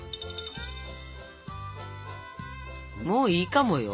もういいかもよ？